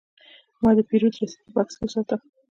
ما د پیرود رسید په بکس کې وساته.